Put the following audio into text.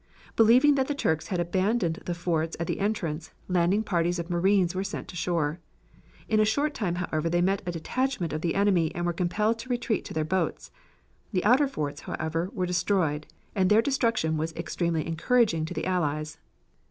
Believing that the Turks had abandoned the forts at the entrance, landing parties of marines were sent to shore. In a short time, however, they met a detachment of the enemy and were compelled to retreat to their boats. The outer forts, however, were destroyed, and their destruction was extremely encouraging to the Allies.